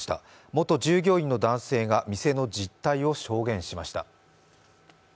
元従業員の男性が店の実態を証言しました。